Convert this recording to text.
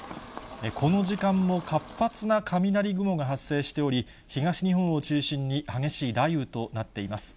この時間も活発な雷雲が発生しており、東日本を中心に激しい雷雨となっています。